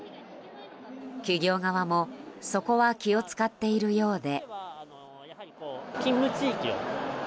企業側もそこは気を使っているようで。